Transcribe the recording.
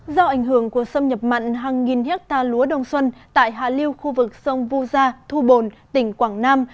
do ảnh hưởng của xâm nhập mặn hàng nghìn hectare lúa đông xuân tại hạ liêu khu vực sông vu gia thu bồn tỉnh quảng nam